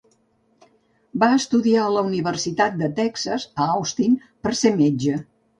Va estudiar a la Universitat de Texas a Austin per ser metge.